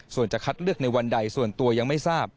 ส่วนจะคัดเลือกในวันใดส่วนตัวยังไม่ทราบ